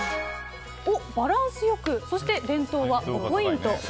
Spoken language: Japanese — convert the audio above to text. バランスよく、伝統は５ポイント。